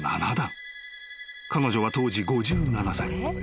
［彼女は当時５７歳］